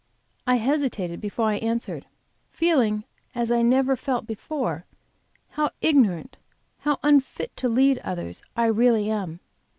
I hesitated before I answered, feeling as I never felt before how ignorant, how unfit to lead others, I really am.